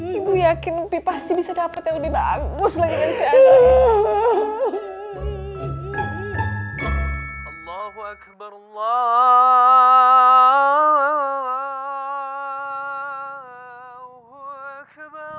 ibu yakin ipi pasti bisa dapet yang lebih bagus lagi kan si anak